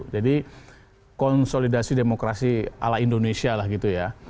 jadi konsolidasi demokrasi ala indonesia lah gitu ya